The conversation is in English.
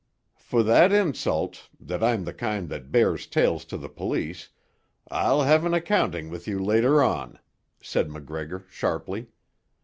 '" "For that insult—that I'm of the kind that bears tales to the police—I'll have an accounting with you later on," said MacGregor sharply.